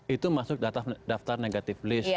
itu masuk daftar negatif list